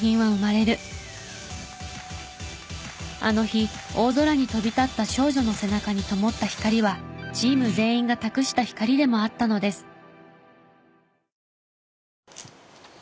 あの日大空に飛び立った少女の背中に灯った光はチーム全員が託した光でもあったのです。